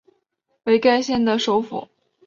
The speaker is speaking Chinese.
为该县的首府。